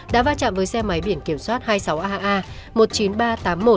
đã va chạm với xe máy biển kiểm soát hai mươi sáu aa